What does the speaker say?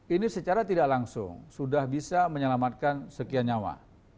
ini secara tidak langsung sudah bisa menyelamatkan sekian nyawa